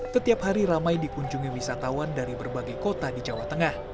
setiap hari ramai dikunjungi wisatawan dari berbagai kota di jawa tengah